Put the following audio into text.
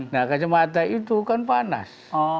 nah kacamata itu kan panas